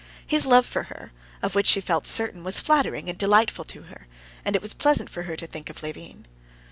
His love for her, of which she felt certain, was flattering and delightful to her; and it was pleasant for her to think of Levin.